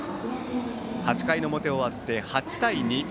８回の表が終わって８対２。